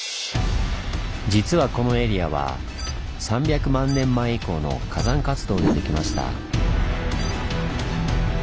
実はこのエリアは３００万年前以降の火山活動で出来ました。